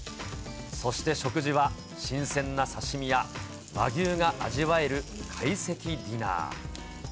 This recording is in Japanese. そして食事は、新鮮な刺身や和牛が味わえる懐石ディナー。